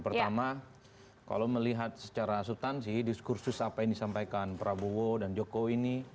pertama kalau melihat secara subtansi diskursus apa yang disampaikan prabowo dan jokowi ini